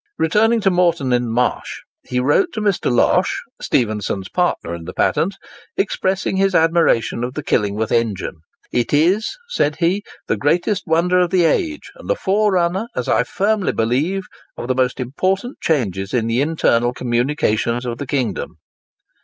Returning to Moreton in the Marsh, he wrote to Mr. Losh (Stephenson's partner in the patent) expressing his admiration of the Killingworth engine. "It is," said he, "the greatest wonder of the age, and the forerunner, as I firmly believe, of the most important changes in the internal communications of the kingdom."